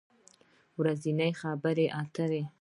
ورځنۍ خبری اتری